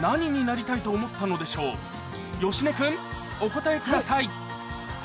一体芳根君お答えください